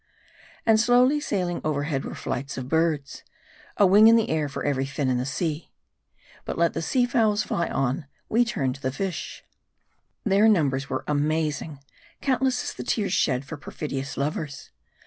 And slow sailing overhead were flights of birds ; a wing in the air for every fin in the sea. But let the sea fowls fly on : turn we to the fish. Their numbers were amazing ; countless as the tears shed for perfidious lovers.